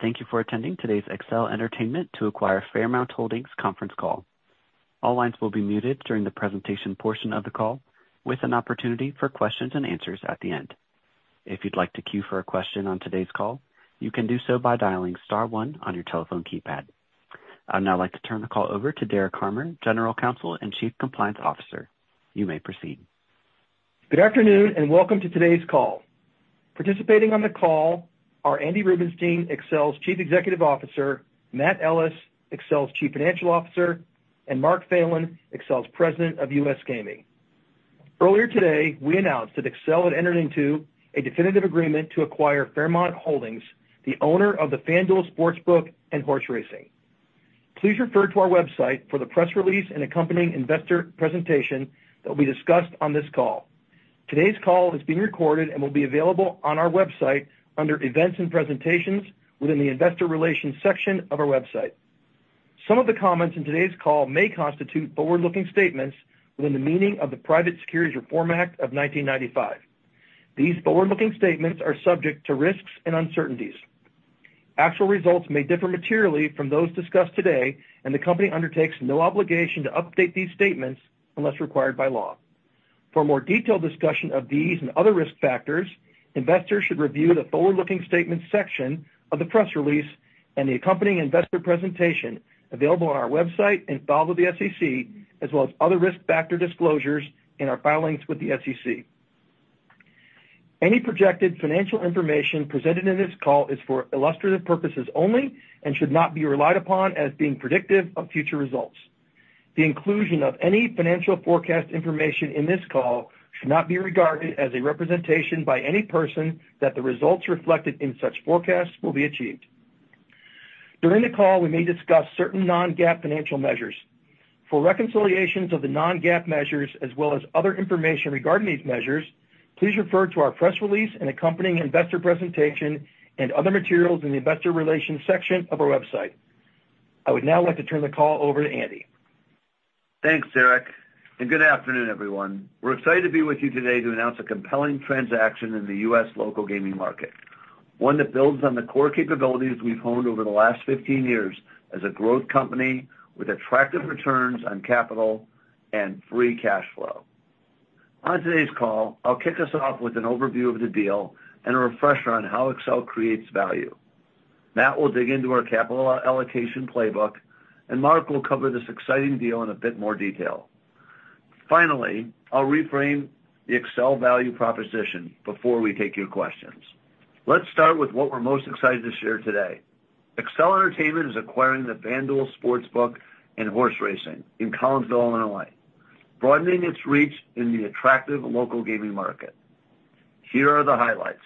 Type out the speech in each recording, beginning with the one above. Thank you for attending today's Accel Entertainment to acquire Fairmount Holdings Conference Call. All lines will be muted during the presentation portion of the call, with an opportunity for questions and answers at the end. If you'd like to queue for a question on today's call, you can do so by dialing star one on your telephone keypad. I'd now like to turn the call over to Derek Harmer, General Counsel and Chief Compliance Officer. You may proceed. Good afternoon, and welcome to today's call. Participating on the call are Andy Rubenstein, Accel's Chief Executive Officer; Matt Ellis, Accel's Chief Financial Officer; and Mark Phelan, Accel's President of U.S. Gaming. Earlier today, we announced that Accel had entered into a definitive agreement to acquire Fairmount Holdings, the owner of the FanDuel Sportsbook and Horse Racing. Please refer to our website for the press release and accompanying investor presentation that will be discussed on this call. Today's call is being recorded and will be available on our website under Events and Presentations within the Investor Relations section of our website. Some of the comments in today's call may constitute forward-looking statements within the meaning of the Private Securities Litigation Reform Act of 1995. These forward-looking statements are subject to risks and uncertainties. Actual results may differ materially from those discussed today, and the company undertakes no obligation to update these statements unless required by law. For a more detailed discussion of these and other risk factors, investors should review the forward-looking statements section of the press release and the accompanying investor presentation available on our website and filed with the SEC, as well as other risk factor disclosures in our filings with the SEC. Any projected financial information presented in this call is for illustrative purposes only and should not be relied upon as being predictive of future results. The inclusion of any financial forecast information in this call should not be regarded as a representation by any person that the results reflected in such forecasts will be achieved. During the call, we may discuss certain non-GAAP financial measures. For reconciliations of the non-GAAP measures, as well as other information regarding these measures, please refer to our press release and accompanying investor presentation and other materials in the Investor Relations section of our website. I would now like to turn the call over to Andy. Thanks, Derek, and good afternoon, everyone. We're excited to be with you today to announce a compelling transaction in the U.S. local gaming market, one that builds on the core capabilities we've honed over the last 15 years as a growth company with attractive returns on capital and free cash flow. On today's call, I'll kick us off with an overview of the deal and a refresher on how Accel creates value. Matt will dig into our capital allocation playbook, and Mark will cover this exciting deal in a bit more detail. Finally, I'll reframe the Accel value proposition before we take your questions. Let's start with what we're most excited to share today. Accel Entertainment is acquiring the FanDuel Sportsbook and Horse Racing in Collinsville, Illinois, broadening its reach in the attractive local gaming market. Here are the highlights.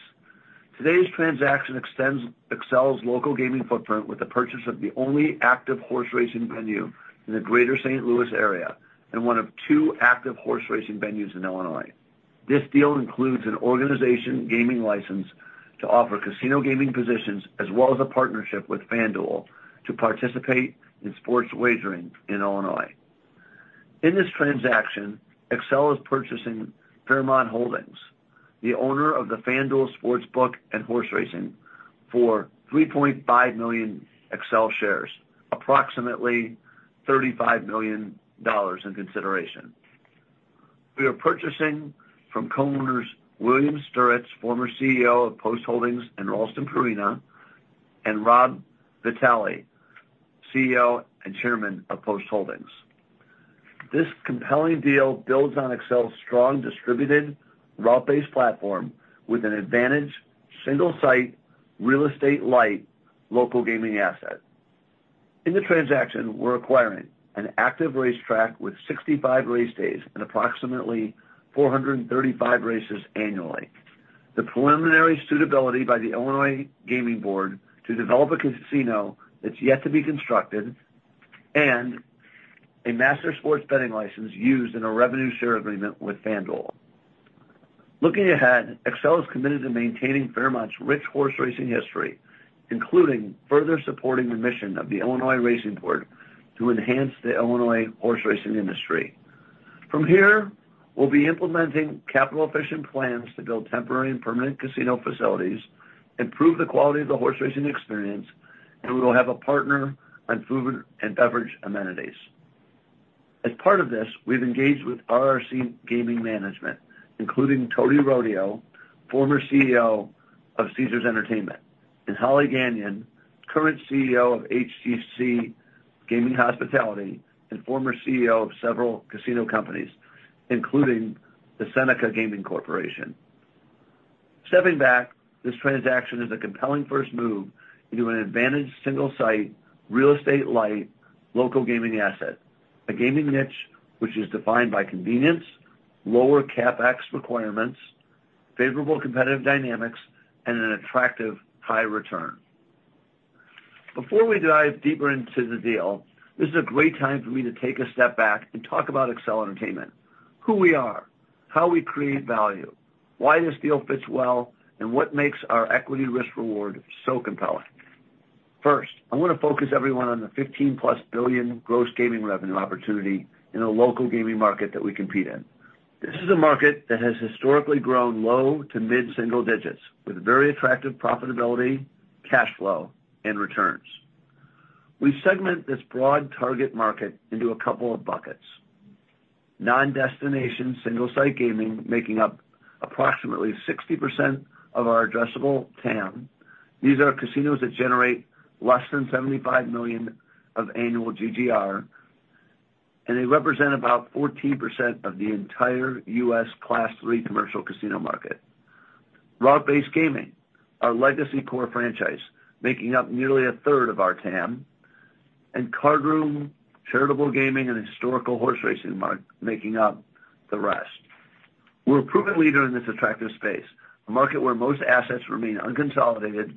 Today's transaction extends Accel's local gaming footprint with the purchase of the only active horse racing venue in the Greater St. Louis area and one of two active horse racing venues in Illinois. This deal includes an organization gaming license to offer casino gaming positions, as well as a partnership with FanDuel to participate in sports wagering in Illinois. In this transaction, Accel is purchasing Fairmount Holdings, the owner of the FanDuel Sportsbook and Horse Racing, for 3.5 million Accel shares, approximately $35 million in consideration. We are purchasing from co-owners Bill Stiritz, former CEO of Post Holdings and Ralston Purina, and Rob Vitale, CEO and Chairman of Post Holdings. This compelling deal builds on Accel's strong, distributed, route-based platform with an advantage, single-site, real estate-light, local gaming asset. In the transaction, we're acquiring an active racetrack with 65 race days and approximately 435 races annually, the preliminary suitability by the Illinois Gaming Board to develop a casino that's yet to be constructed, and a master sports betting license used in a revenue share agreement with FanDuel. Looking ahead, Accel is committed to maintaining Fairmount's rich horse racing history, including further supporting the mission of the Illinois Racing Board to enhance the Illinois horse racing industry. From here, we'll be implementing capital-efficient plans to build temporary and permanent casino facilities, improve the quality of the horse racing experience, and we will have a partner on food and beverage amenities. As part of this, we've engaged with RRC Gaming Management, including Tony Rodio, former CEO of Caesars Entertainment, and Holly Gagnon, current CEO of HGC Hospitality Gaming Consulting and former CEO of several casino companies, including the Seneca Gaming Corporation. Stepping back, this transaction is a compelling first move into an advantaged, single-site, real estate-light, local gaming asset, a gaming niche which is defined by convenience, lower CapEx requirements, favorable competitive dynamics, and an attractive high return. Before we dive deeper into the deal, this is a great time for me to take a step back and talk about Accel Entertainment, who we are, how we create value, why this deal fits well, and what makes our equity risk reward so compelling. First, I want to focus everyone on the $15+ billion gross gaming revenue opportunity in the local gaming market that we compete in. This is a market that has historically grown low- to mid-single digits, with very attractive profitability, cash flow, and returns. We segment this broad target market into a couple of buckets. Non-destination, single-site gaming, making up approximately 60% of our addressable TAM. These are casinos that generate less than $75 million of annual GGR, and they represent about 14% of the entire U.S. Class III commercial casino market. Route-based gaming, our legacy core franchise, making up nearly 1/3 of our TAM, and card room, charitable gaming, and historical horse racing making up the rest. We're a proven leader in this attractive space, a market where most assets remain unconsolidated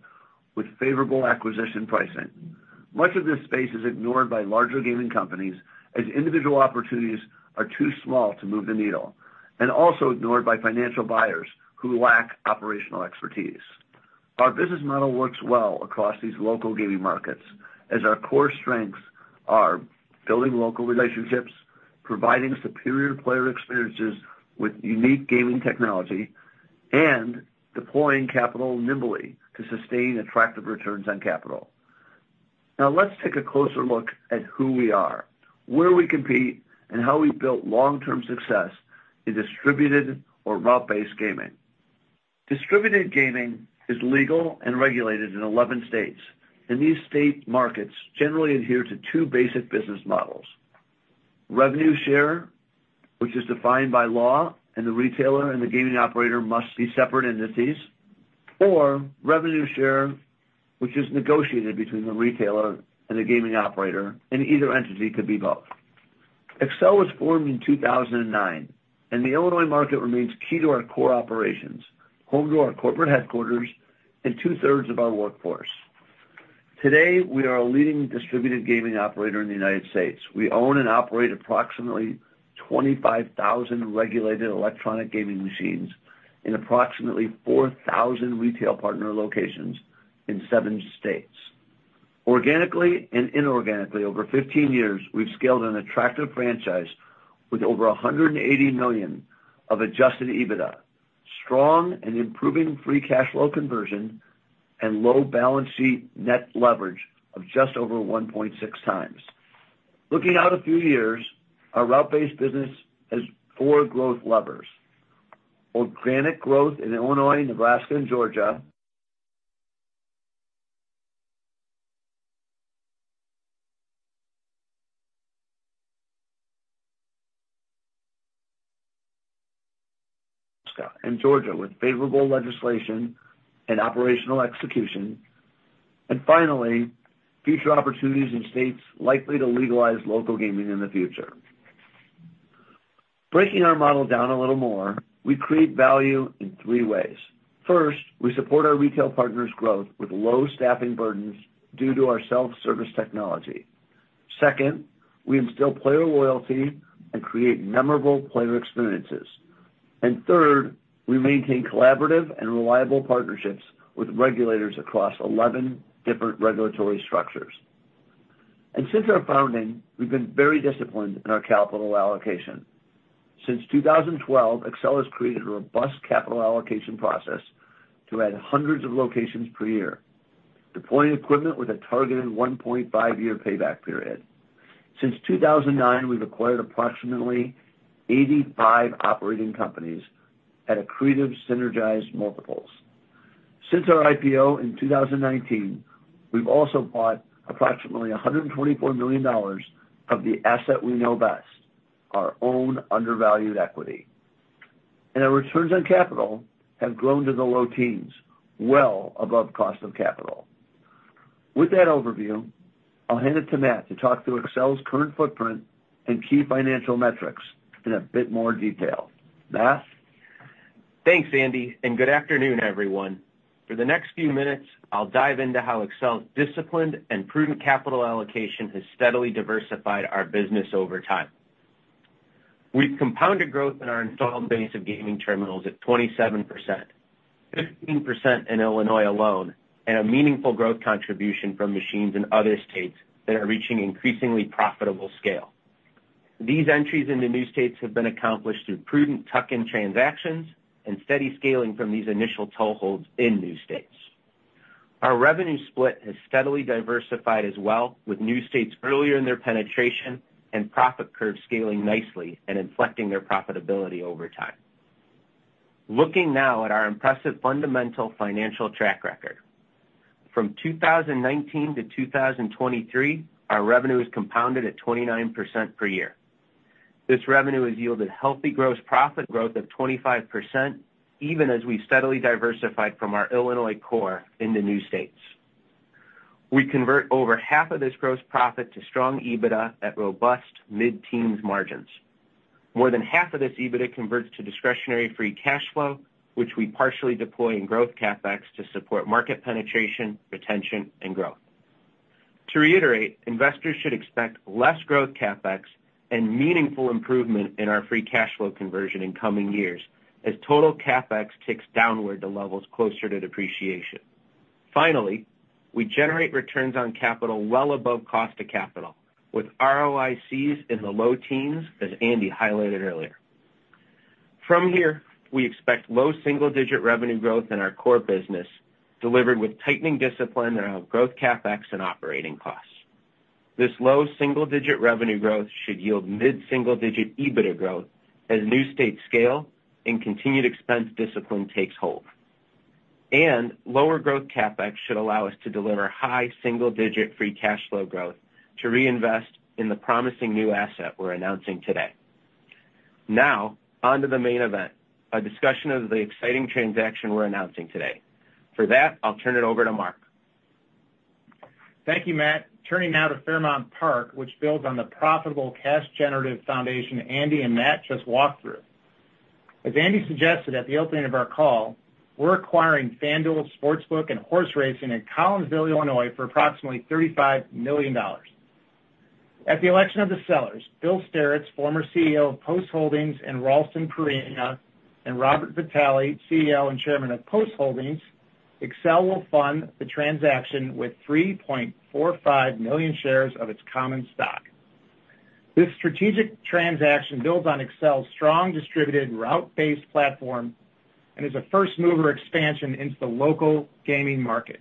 with favorable acquisition pricing. Much of this space is ignored by larger gaming companies, as individual opportunities are too small to move the needle, and also ignored by financial buyers who lack operational expertise. Our business model works well across these local gaming markets, as our core strengths are building local relationships, providing superior player experiences with unique gaming technology, and deploying capital nimbly to sustain attractive returns on capital. Now, let's take a closer look at who we are, where we compete, and how we've built long-term success in distributed or route-based gaming. Distributed gaming is legal and regulated in 11 states, and these state markets generally adhere to two basic business models: revenue share, which is defined by law, and the retailer and the gaming operator must be separate entities, or revenue share, which is negotiated between the retailer and the gaming operator, and either entity could be both. Accel was formed in 2009, and the Illinois market remains key to our core operations, home to our corporate headquarters and 2/3 of our workforce. Today, we are a leading distributed gaming operator in the United States. We own and operate approximately 25,000 regulated electronic gaming machines in approximately 4,000 retail partner locations in 7 states. Organically and inorganically, over 15 years, we've scaled an attractive franchise with over $180 million of Adjusted EBITDA, strong and improving Free Cash Flow conversion, and low balance sheet net leverage of just over 1.6x. Looking out a few years, our route-based business has four growth levers: organic growth in Illinois, Nebraska, and Georgia. And Georgia, with favorable legislation and operational execution, and finally, future opportunities in states likely to legalize local gaming in the future. Breaking our model down a little more, we create value in three ways. First, we support our retail partners' growth with low staffing burdens due to our self-service technology. Second, we instill player loyalty and create memorable player experiences. And third, we maintain collaborative and reliable partnerships with regulators across 11 different regulatory structures. And since our founding, we've been very disciplined in our capital allocation. Since 2012, Accel has created a robust capital allocation process to add hundreds of locations per year, deploying equipment with a targeted 1.5-year payback period. Since 2009, we've acquired approximately 85 operating companies at accretive, synergistic multiples. Since our IPO in 2019, we've also bought approximately $124 million of the asset we know best, our own undervalued equity. And our returns on capital have grown to the low teens, well above cost of capital. With that overview, I'll hand it to Matt to talk through Accel's current footprint and key financial metrics in a bit more detail. Matt? Thanks, Andy, and good afternoon, everyone. For the next few minutes, I'll dive into how Accel's disciplined and prudent capital allocation has steadily diversified our business over time. We've compounded growth in our installed base of gaming terminals at 27%, 15% in Illinois alone, and a meaningful growth contribution from machines in other states that are reaching increasingly profitable scale. These entries into new states have been accomplished through prudent tuck-in transactions and steady scaling from these initial toeholds in new states. Our revenue split has steadily diversified as well, with new states earlier in their penetration and profit curve scaling nicely and inflecting their profitability over time. Looking now at our impressive fundamental financial track record. From 2019-2023, our revenue is compounded at 29% per year. This revenue has yielded healthy gross profit growth of 25%, even as we steadily diversified from our Illinois core into new states. We convert over half of this gross profit to strong EBITDA at robust mid-teens margins. More than half of this EBITDA converts to discretionary free cash flow, which we partially deploy in growth CapEx to support market penetration, retention, and growth. To reiterate, investors should expect less growth CapEx and meaningful improvement in our free cash flow conversion in coming years, as total CapEx ticks downward to levels closer to depreciation. Finally, we generate returns on capital well above cost to capital, with ROICs in the low teens, as Andy highlighted earlier. From here, we expect low single-digit revenue growth in our core business, delivered with tightening discipline around growth CapEx and operating costs. This low single-digit revenue growth should yield mid-single-digit EBITDA growth as new states scale and continued expense discipline takes hold. Lower growth CapEx should allow us to deliver high single-digit free cash flow growth to reinvest in the promising new asset we're announcing today. Now, on to the main event, a discussion of the exciting transaction we're announcing today. For that, I'll turn it over to Mark. Thank you, Matt. Turning now to Fairmount Park, which builds on the profitable cash-generative foundation Andy and Matt just walked through. As Andy suggested at the opening of our call, we're acquiring FanDuel Sportsbook and horse racing in Collinsville, Illinois, for approximately $35 million. At the election of the sellers, Bill Stiritz, former CEO of Post Holdings, and Ralston Purina, and Rob Vitale, CEO and chairman of Post Holdings, Accel will fund the transaction with 3.45 million shares of its common stock. This strategic transaction builds on Accel's strong distributed route-based platform and is a first-mover expansion into the local gaming market.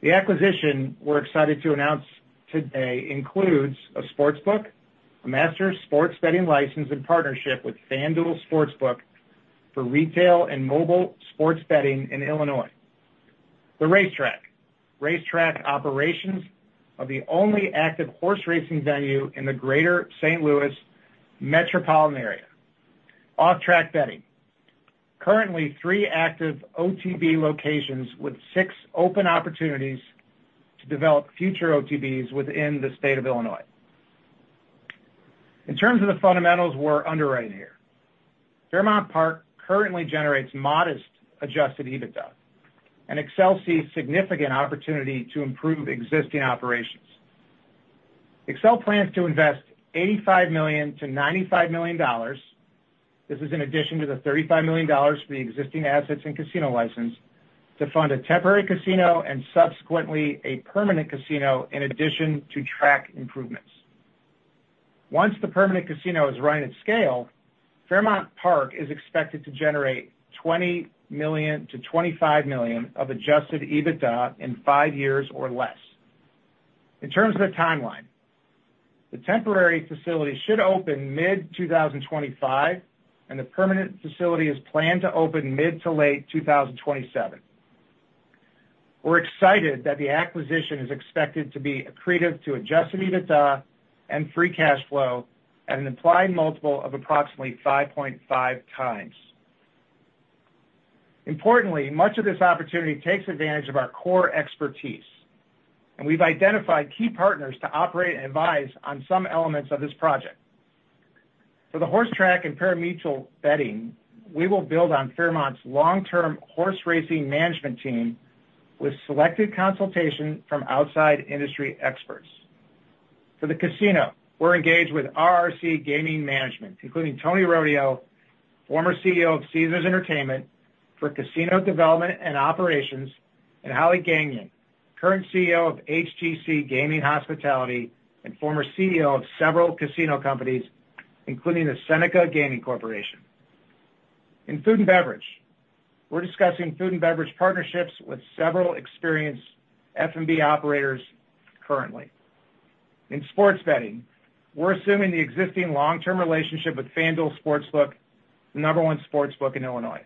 The acquisition we're excited to announce today includes a sportsbook, a master sports betting license and partnership with FanDuel Sportsbook for retail and mobile sports betting in Illinois. The racetrack. Racetrack operations are the only active horse racing venue in the greater St. Louis metropolitan area. Off-track betting. Currently, three active OTB locations with six open opportunities to develop future OTBs within the state of Illinois. In terms of the fundamentals we're underwriting here, Fairmount Park currently generates modest Adjusted EBITDA, and Accel sees significant opportunity to improve existing operations. Accel plans to invest $85 million-$95 million, this is in addition to the $35 million for the existing assets and casino license, to fund a temporary casino and subsequently a permanent casino, in addition to track improvements. Once the permanent casino is running at scale, Fairmount Park is expected to generate $20 million-$25 million of Adjusted EBITDA in five years or less. In terms of the timeline, the temporary facility should open mid-2025, and the permanent facility is planned to open mid- to late 2027. We're excited that the acquisition is expected to be accretive to Adjusted EBITDA and Free Cash Flow at an implied multiple of approximately 5.5x. Importantly, much of this opportunity takes advantage of our core expertise, and we've identified key partners to operate and advise on some elements of this project. For the horse track and parimutuel betting, we will build on Fairmount's long-term horse racing management team with selected consultation from outside industry experts. For the casino, we're engaged with RRC Gaming Management, including Tony Rodio, former CEO of Caesars Entertainment, for casino development and operations, and Holly Gagnon, current CEO of HGC Hospitality Gaming and former CEO of several casino companies, including the Seneca Gaming Corporation. In food and beverage, we're discussing food and beverage partnerships with several experienced F&B operators currently. In sports betting, we're assuming the existing long-term relationship with FanDuel Sportsbook, the number one sportsbook in Illinois.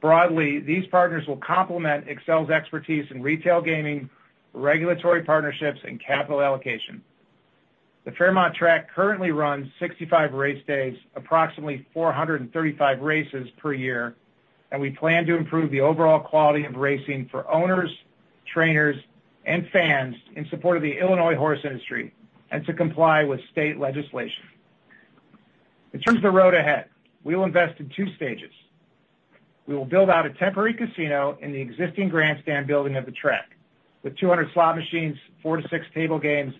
Broadly, these partners will complement Accel's expertise in retail gaming, regulatory partnerships, and capital allocation. The Fairmount track currently runs 65 race days, approximately 435 races per year, and we plan to improve the overall quality of racing for owners, trainers, and fans in support of the Illinois horse industry and to comply with state legislation. In terms of the road ahead, we will invest in two stages. We will build out a temporary casino in the existing grandstand building of the track, with 200 slot machines, four to six table games,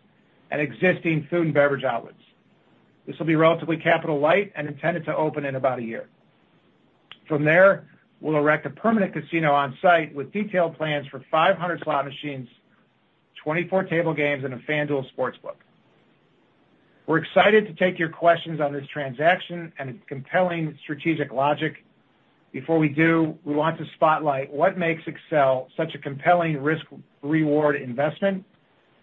and existing food and beverage outlets. This will be relatively capital light and intended to open in about a year. From there, we'll erect a permanent casino on-site with detailed plans for 500 slot machines, 24 table games, and a FanDuel Sportsbook. We're excited to take your questions on this transaction and its compelling strategic logic. Before we do, we want to spotlight what makes Accel such a compelling risk-reward investment,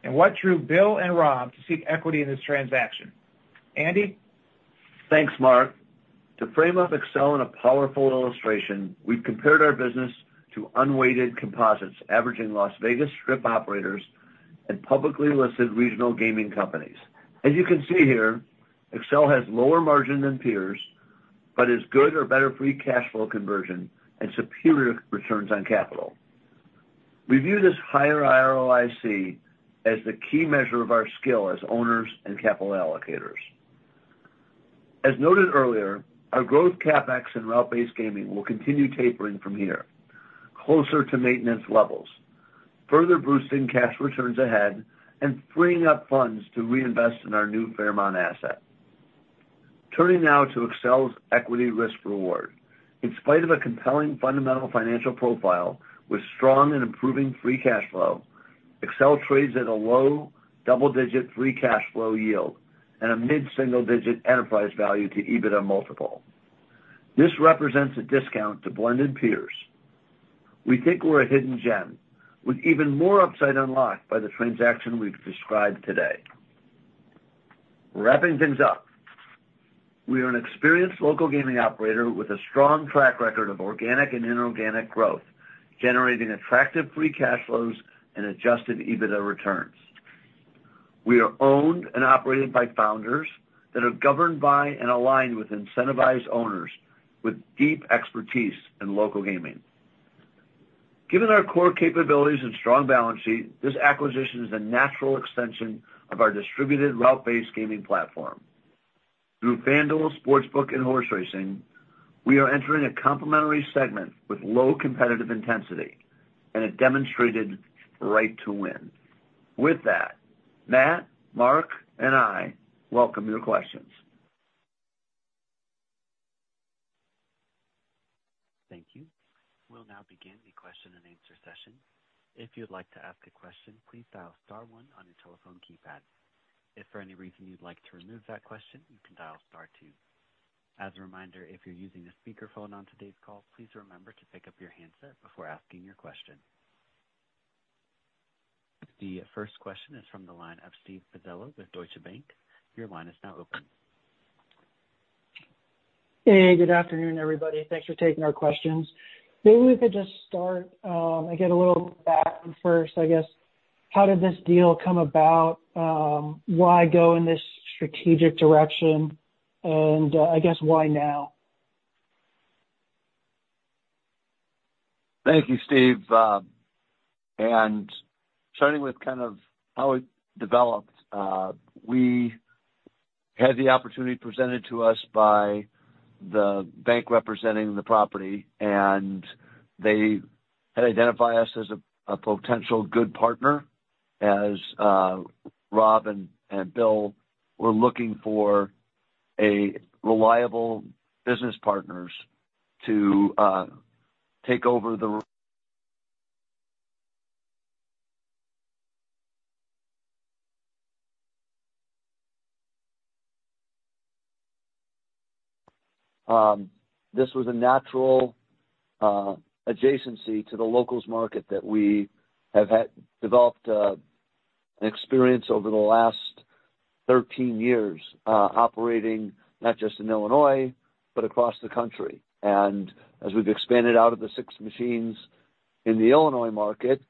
and what drew Bill and Rob to seek equity in this transaction. Andy? Thanks, Mark. To frame up Accel in a powerful illustration, we've compared our business to unweighted composites, averaging Las Vegas Strip operators and publicly listed regional gaming companies. As you can see here, Accel has lower margin than peers, but has good or better free cash flow conversion and superior returns on capital. We view this higher ROIC as the key measure of our skill as owners and capital allocators. As noted earlier, our growth CapEx and route-based gaming will continue tapering from here, closer to maintenance levels, further boosting cash returns ahead and freeing up funds to reinvest in our new Fairmount asset. Turning now to Accel's equity risk reward. In spite of a compelling fundamental financial profile with strong and improving free cash flow, Accel trades at a low double-digit free cash flow yield and a mid-single digit enterprise value to EBITDA multiple. This represents a discount to blended peers. We think we're a hidden gem, with even more upside unlocked by the transaction we've described today. Wrapping things up, we are an experienced local gaming operator with a strong track record of organic and inorganic growth, generating attractive free cash flows and adjusted EBITDA returns. We are owned and operated by founders that are governed by and aligned with incentivized owners with deep expertise in local gaming. Given our core capabilities and strong balance sheet, this acquisition is a natural extension of our distributed route-based gaming platform. Through FanDuel Sportsbook and horse racing, we are entering a complementary segment with low competitive intensity and a demonstrated right to win. With that, Matt, Mark, and I welcome your questions. Thank you. We'll now begin the question and answer session. If you'd like to ask a question, please dial star one on your telephone keypad. If for any reason you'd like to remove that question, you can dial star two. As a reminder, if you're using a speakerphone on today's call, please remember to pick up your handset before asking your question. The first question is from the line of Steven Pizzella with Deutsche Bank. Your line is now open. Hey, good afternoon, everybody. Thanks for taking our questions. Maybe we could just start and get a little background first, I guess. How did this deal come about? Why go in this strategic direction, and I guess why now? Thank you, Steve. Starting with kind of how it developed, we had the opportunity presented to us by the bank representing the property, and they had identified us as a potential good partner, as Rob and Bill were looking for reliable business partners to take over the. This was a natural adjacency to the locals market that we have had developed an experience over the last 13 years, operating not just in Illinois, but across the country. As we've expanded out of the six machines in the Illinois market,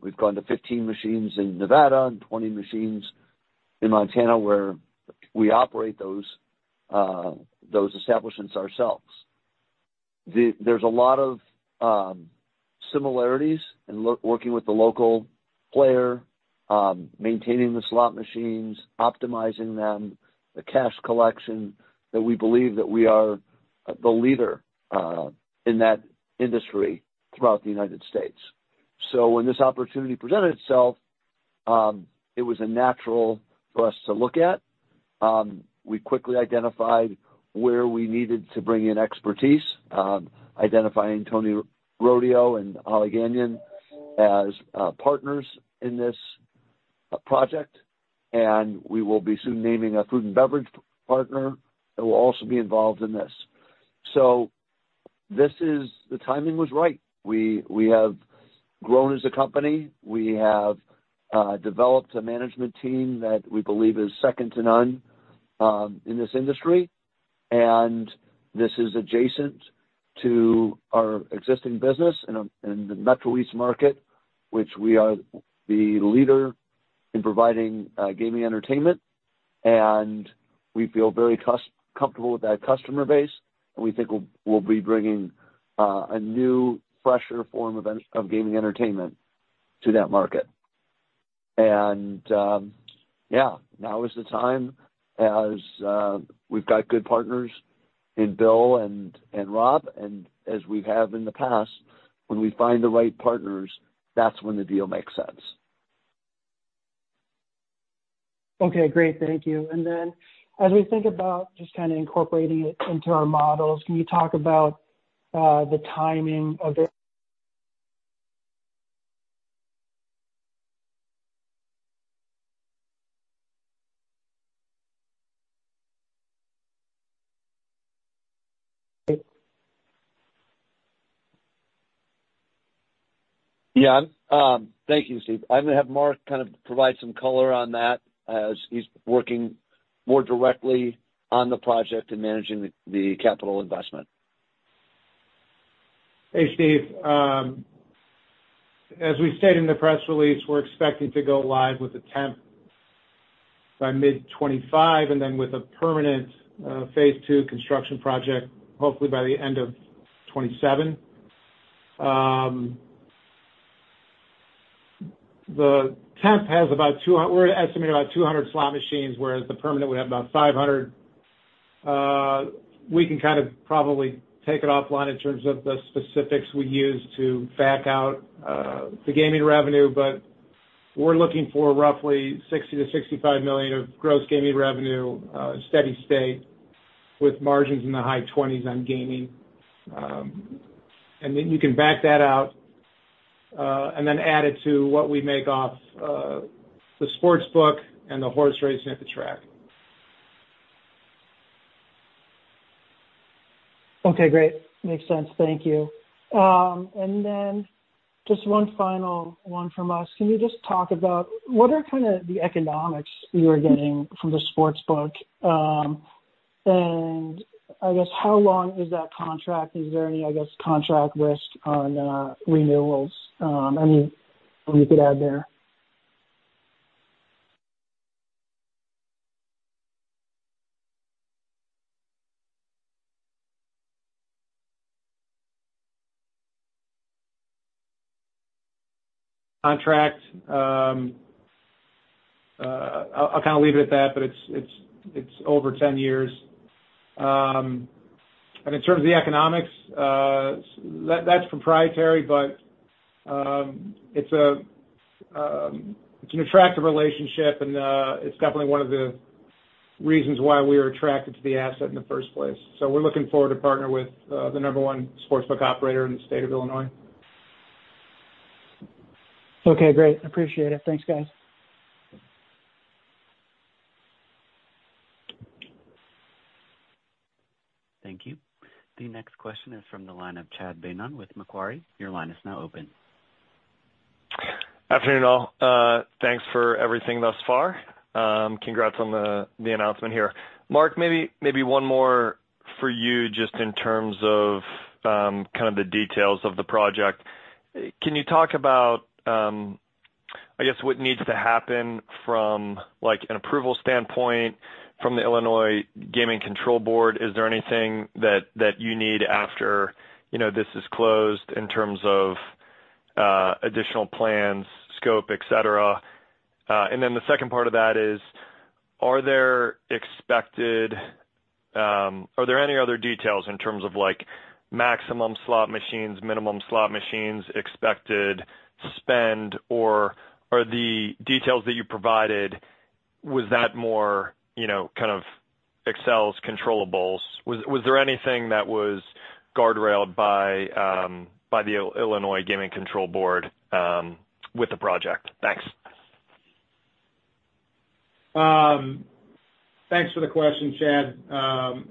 we've gone to 15 machines in Nevada and 20 machines in Montana, where we operate those establishments ourselves. There's a lot of similarities in working with the local player, maintaining the slot machines, optimizing them, the cash collection, that we believe that we are the leader in that industry throughout the United States. So when this opportunity presented itself, it was a natural for us to look at. We quickly identified where we needed to bring in expertise, identifying Tony Rodio and Holly Gagnon as partners in this project, and we will be soon naming a food and beverage partner that will also be involved in this. So this is... The timing was right. We have grown as a company. We have developed a management team that we believe is second to none in this industry, and this is adjacent to our existing business in the Metro East market, which we are the leader in providing gaming entertainment, and we feel very comfortable with that customer base, and we think we'll be bringing a new, fresher form of gaming entertainment to that market. Yeah, now is the time, as we've got good partners in Bill and Rob, and as we have in the past, when we find the right partners, that's when the deal makes sense. Okay, great. Thank you. And then as we think about just kind of incorporating it into our models, can you talk about the timing of the- Yeah. Thank you, Steve. I'm gonna have Mark kind of provide some color on that as he's working more directly on the project and managing the capital investment. Hey, Steve. As we stated in the press release, we're expecting to go live with the temp by mid-2025, and then with a permanent phase II construction project, hopefully by the end of 2027. The temp has about 200 slot machines, whereas the permanent would have about 500. We can kind of probably take it offline in terms of the specifics we use to back out the gaming revenue, but we're looking for roughly $60 million-$65 million of gross gaming revenue steady state, with margins in the high 20s% on gaming. And then you can back that out, and then add it to what we make off the sportsbook and the horse race at the track. Okay, great. Makes sense. Thank you. And then just one final one from us. Can you just talk about what are kind of the economics you are getting from the sportsbook? And I guess, how long is that contract? Is there any, I guess, contract risk on, renewals, any you could add there? Contract, I'll kind of leave it at that, but it's over 10 years. In terms of the economics, that's proprietary, but it's an attractive relationship, and it's definitely one of the reasons why we were attracted to the asset in the first place. So we're looking forward to partner with the number one sportsbook operator in the state of Illinois. Okay, great. Appreciate it. Thanks, guys. Thank you. The next question is from the line of Chad Beynon with Macquarie. Your line is now open. Afternoon, all. Thanks for everything thus far. Congrats on the announcement here. Mark, maybe one more for you just in terms of kind of the details of the project. Can you talk about, I guess, what needs to happen from, like, an approval standpoint from the Illinois Gaming Board? Is there anything that you need after, you know, this is closed in terms of additional plans, scope, et cetera? And then the second part of that is, are there any other details in terms of, like, maximum slot machines, minimum slot machines, expected spend, or are the details that you provided, was that more, you know, kind of Accel’s controllables? Was there anything that was guardrailed by the Illinois Gaming Board with the project? Thanks. Thanks for the question, Chad.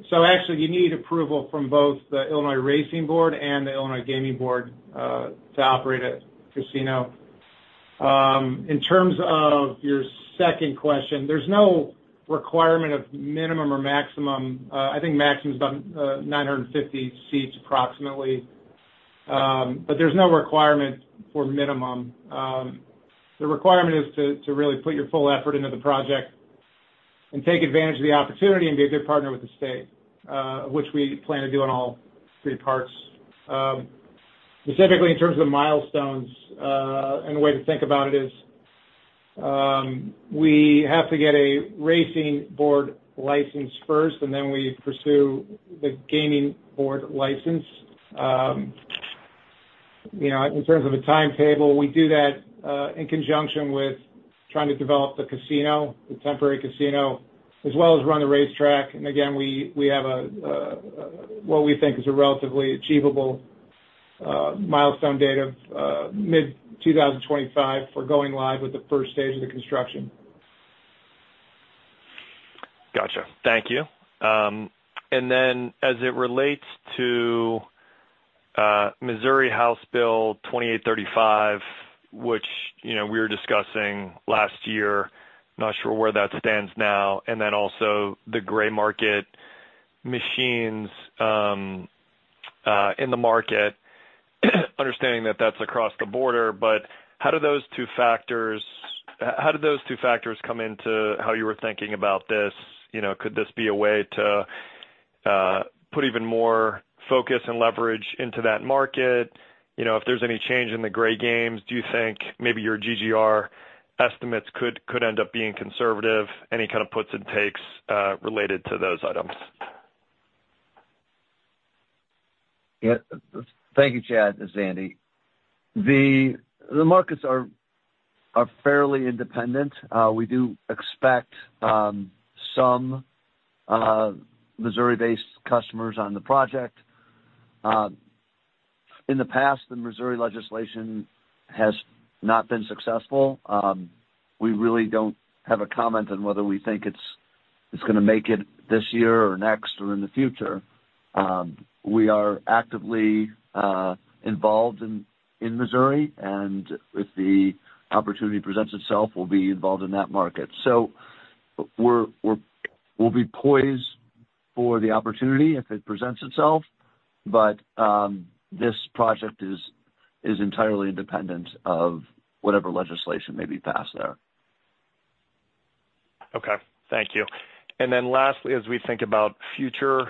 So actually, you need approval from both the Illinois Racing Board and the Illinois Gaming Board to operate a casino. In terms of your second question, there's no requirement of minimum or maximum. I think maximum is about 950 seats, approximately. But there's no requirement for minimum. The requirement is to really put your full effort into the project and take advantage of the opportunity and be a good partner with the state, which we plan to do in all three parts. Specifically in terms of the milestones, and the way to think about it is, we have to get a racing board license first, and then we pursue the gaming board license. You know, in terms of a timetable, we do that in conjunction with trying to develop the casino, the temporary casino, as well as run the racetrack. And again, we have what we think is a relatively achievable milestone date of mid-2025 for going live with the first stage of the construction. Gotcha. Thank you. And then, as it relates to Missouri House Bill 2835, which, you know, we were discussing last year, not sure where that stands now, and then also the gray market machines in the market, understanding that that's across the border, but how do those two factors come into how you were thinking about this? You know, could this be a way to put even more focus and leverage into that market? You know, if there's any change in the gray games, do you think maybe your GGR estimates could end up being conservative? Any kind of puts and takes related to those items? Yeah. Thank you, Chad. This is Andy. The markets are fairly independent. We do expect some Missouri-based customers on the project. In the past, the Missouri legislation has not been successful. We really don't have a comment on whether we think it's gonna make it this year or next or in the future. We are actively involved in Missouri, and if the opportunity presents itself, we'll be involved in that market. So we'll be poised for the opportunity if it presents itself, but this project is entirely independent of whatever legislation may be passed there. Okay. Thank you. And then lastly, as we think about future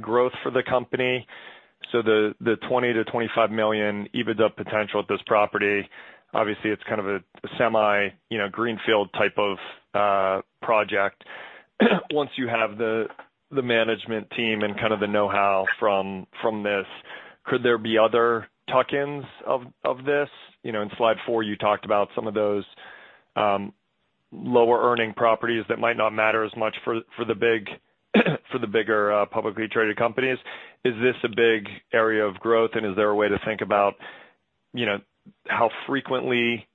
growth for the company, so the $20 million-$25 million EBITDA potential at this property, obviously, it's kind of a semi, you know, greenfield type of project. Once you have the management team and kind of the know-how from this, could there be other tuck-ins of this? You know, in slide four, you talked about some of those lower earning properties that might not matter as much for the big, for the bigger publicly traded companies. Is this a big area of growth, and is there a way to think about, you know, how frequently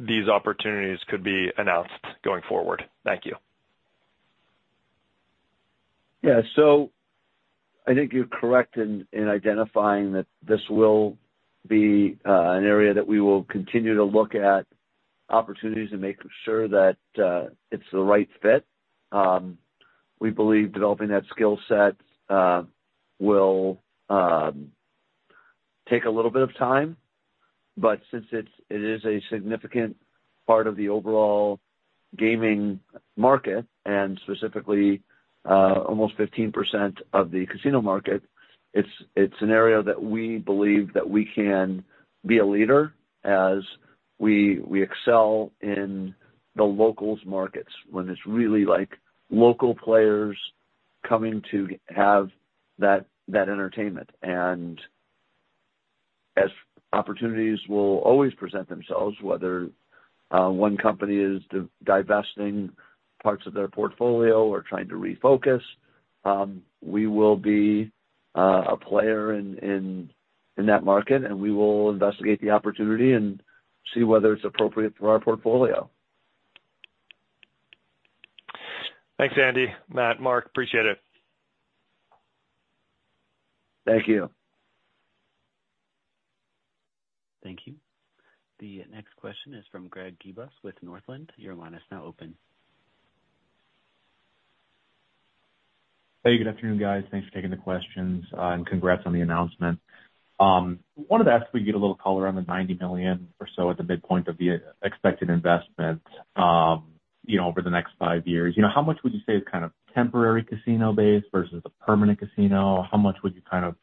these opportunities could be announced going forward? Thank you. Yeah. So I think you're correct in identifying that this will be an area that we will continue to look at opportunities and make sure that it's the right fit. We believe developing that skill set will take a little bit of time, but since it is a significant part of the overall gaming market and specifically almost 15% of the casino market, it's an area that we believe that we can be a leader as we excel in the locals markets, when it's really like local players coming to have that entertainment. And as opportunities will always present themselves, whether one company is divesting parts of their portfolio or trying to refocus, we will be a player in that market, and we will investigate the opportunity and see whether it's appropriate for our portfolio. Thanks, Andy, Matt, Mark. Appreciate it. Thank you. Thank you. The next question is from Greg Gibas with Northland. Your line is now open. Hey, good afternoon, guys. Thanks for taking the questions, and congrats on the announcement. Wanted to ask if we could get a little color on the $90 million or so at the midpoint of the expected investment, you know, over the next five years. You know, how much would you say is kind of temporary casino base versus a permanent casino? How much would you kind of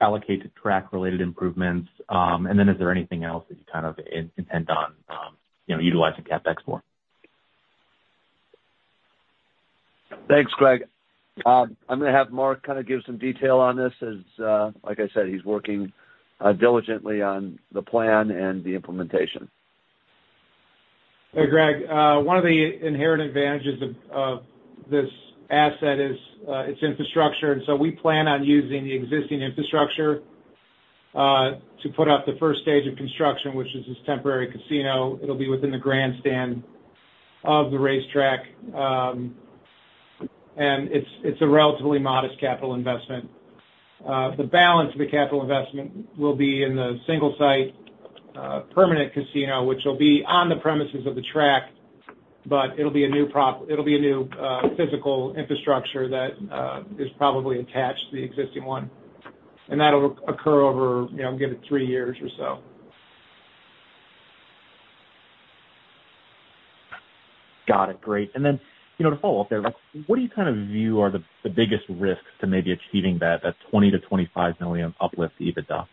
allocate to track-related improvements? And then is there anything else that you kind of intend on, you know, utilizing CapEx for? Thanks, Greg. I'm gonna have Mark kind of give some detail on this, as, like I said, he's working diligently on the plan and the implementation. Hey, Greg, one of the inherent advantages of this asset is its infrastructure, and so we plan on using the existing infrastructure to put up the first stage of construction, which is this temporary casino. It'll be within the grandstand of the racetrack. And it's a relatively modest capital investment. The balance of the capital investment will be in the single site permanent casino, which will be on the premises of the track, but it'll be a new physical infrastructure that is probably attached to the existing one. And that'll occur over, you know, give it three years or so. Got it. Great. And then, you know, to follow up there, like, what do you kind of view are the, the biggest risks to maybe achieving that, that $20 million-$25 million uplift EBITDA?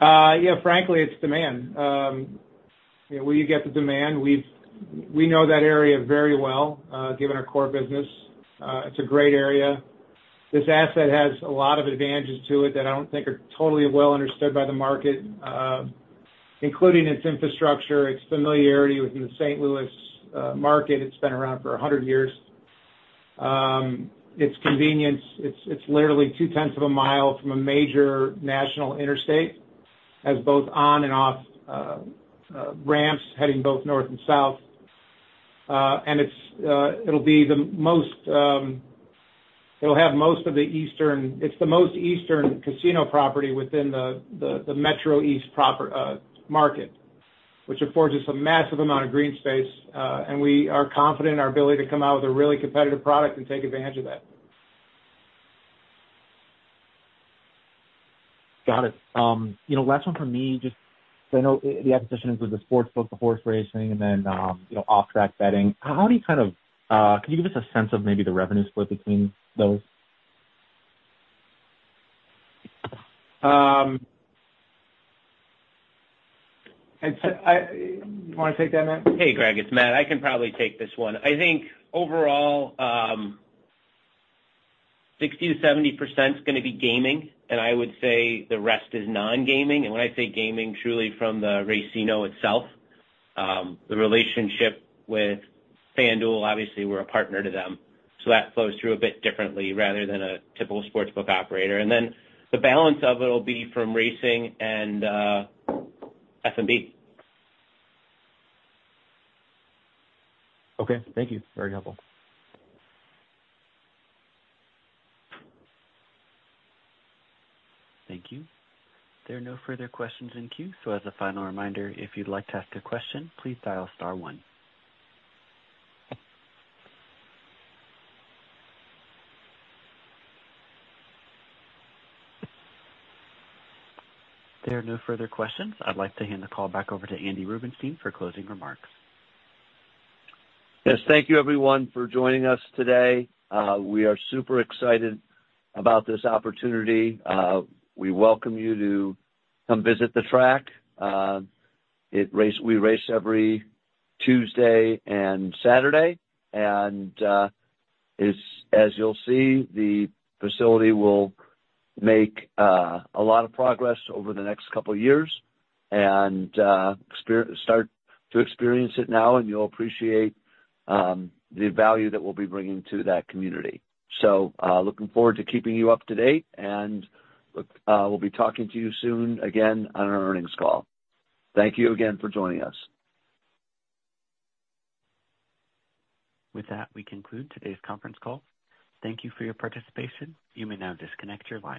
You know, frankly, it's demand. You know, we get the demand. We know that area very well, given our core business. It's a great area. This asset has a lot of advantages to it that I don't think are totally well understood by the market, including its infrastructure, its familiarity with the St. Louis market. It's been around for 100 years. Its convenience. It's literally 2/10 of a mile from a major national interstate, has both on and off ramps heading both north and south. And it's, it'll have most of the eastern... It's the most eastern casino property within the Metro East proper market, which affords us a massive amount of green space, and we are confident in our ability to come out with a really competitive product and take advantage of that. Got it. You know, last one from me, just so I know, the acquisition includes the sportsbook, the horse racing, and then, you know, off-track betting. How do you kind of, can you give us a sense of maybe the revenue split between those? You wanna take that, Matt? Hey, Greg, it's Matt. I can probably take this one. I think overall, 60%-70% is gonna be gaming, and I would say the rest is non-gaming. And when I say gaming, truly from the racino itself, the relationship with FanDuel, obviously, we're a partner to them, so that flows through a bit differently rather than a typical sportsbook operator. And then the balance of it will be from racing and F&B. Okay. Thank you. Very helpful. Thank you. There are no further questions in queue, so as a final reminder, if you'd like to ask a question, please dial star one. There are no further questions. I'd like to hand the call back over to Andy Rubenstein for closing remarks. Yes, thank you everyone for joining us today. We are super excited about this opportunity. We welcome you to come visit the track. We race every Tuesday and Saturday, and, as you'll see, the facility will make a lot of progress over the next couple of years and start to experience it now, and you'll appreciate the value that we'll be bringing to that community. So, looking forward to keeping you up to date, and we'll be talking to you soon again on our earnings call. Thank you again for joining us. With that, we conclude today's conference call. Thank you for your participation. You may now disconnect your lines.